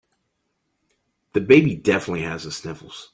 The baby definitely has the sniffles.